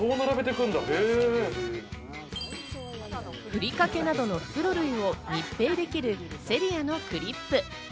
ふりかけなどの袋類を密閉できるＳｅｒｉａのクリップ。